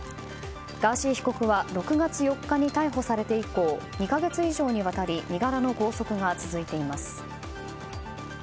ガーシー被告は６月４日に逮捕されて以降２か月以上にわたり身柄の拘束が続いています。